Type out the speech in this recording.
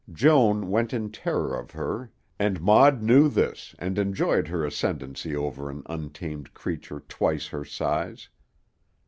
Joan went in terror of her and Maud knew this and enjoyed her ascendancy over an untamed creature twice her size.